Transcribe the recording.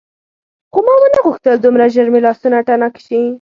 خو ما ونه غوښتل دومره ژر مې لاسونه تڼاکي شي.